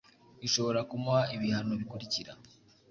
ishobora kumuha ibihano bikurikira